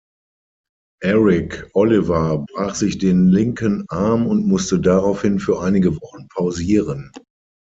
Eric Oliver brach sich den linken Arm und musste daraufhin für einige Wochen pausieren.